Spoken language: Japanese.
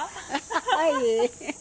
はい。